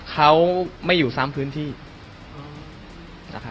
เขาไม่อยู่ซ้ำพื้นที่นะครับ